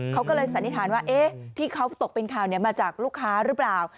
เขาก็เลยสันนิษฐานว่าที่เขาตกเป็นข่าวมาจากลูกค้าหรือเปล่า